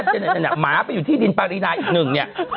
หมาไปอยู่ที่ดินปารีนาอีกหนึ่งเนี่ย